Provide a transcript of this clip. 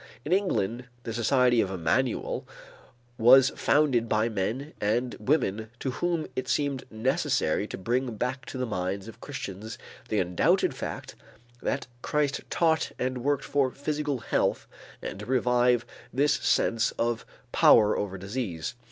In England the Society of Emmanuel was founded by men and women to whom it seemed necessary to bring back to the minds of Christians the undoubted fact that Christ taught and worked for physical heath and to revive this sense of power over disease.